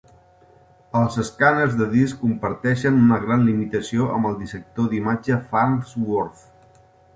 Els escàners de disc comparteixen una gran limitació amb el dissector d'imatge Farnsworth.